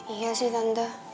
iya sih tante